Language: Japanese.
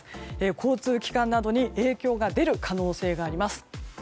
交通機関などに影響が出る可能性があります。